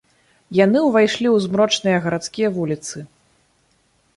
Яны ўвайшлі ў змрочныя гарадскія вуліцы.